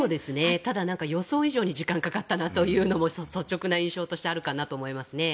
ただ、予想以上に時間がかかったなというのも率直な印象としてあるかなと思いますね。